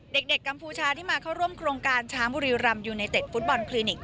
กัมพูชาที่มาเข้าร่วมโครงการช้างบุรีรำยูไนเต็ดฟุตบอลคลินิก